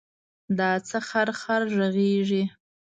دا څه خرخر غږېږې.